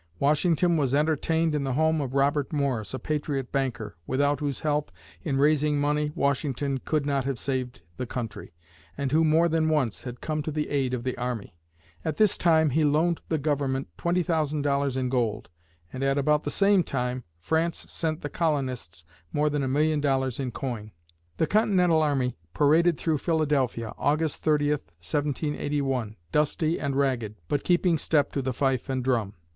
Washington was entertained in the home of Robert Morris, a patriot banker, without whose help, in raising money, Washington could not have saved the country and who more than once had come to the aid of the army. At this time, he loaned the government $20,000 in gold, and at about the same time, France sent the colonists more than a million dollars in coin. The Continental army paraded through Philadelphia (August 30, 1781), dusty and ragged, but keeping step to the fife and drum.